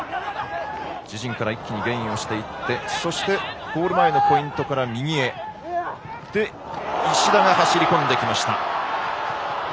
自陣から一気にゲインをしていってそして、ゴール前のポイントから右へ行って石田が走り込んできました。